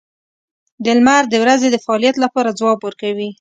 • لمر د ورځې د فعالیت لپاره ځواب ورکوي.